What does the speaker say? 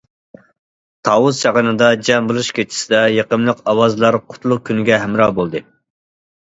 تاۋۇز چاغىنىدا جەم بولۇش كېچىسىدە، يېقىملىق ئاۋازلار قۇتلۇق كۈنگە ھەمراھ بولدى.